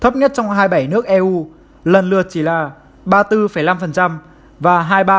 thấp nhất trong hai mươi bảy nước eu lần lượt chỉ là ba mươi bốn năm và hai ba